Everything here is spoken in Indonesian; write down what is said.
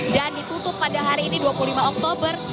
dan ditutup pada hari ini dua puluh lima oktober